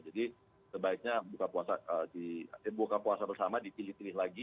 jadi sebaiknya buka puasa bersama dipilih pilih lagi